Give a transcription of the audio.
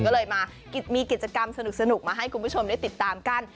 ก็เลยมามีกิจกรรมสนุกมาให้คุณผู้ชมได้ติดตามกัน